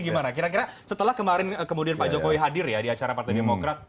karena kira kira setelah kemarin pak jokowi hadir di acara partai demokrasi